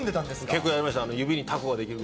結構やりました。